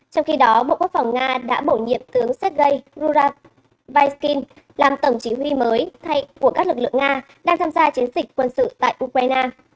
trong khi đó bộ quốc phòng nga đã bổ nhiệm tướng sergeiraskin làm tổng chỉ huy mới của các lực lượng nga đang tham gia chiến dịch quân sự tại ukraine